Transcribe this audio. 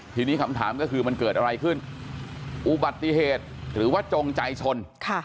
ทีนี้คำถามก็คือมันเกิดอะไรขึ้นอุบัติเหตุหรือว่าจงใจชน